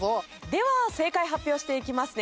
では正解発表していきますね。